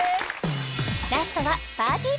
ラストはぱーてぃー